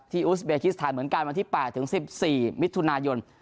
อุสเบคิสถานเหมือนกันวันที่๘ถึง๑๔มิถุนายน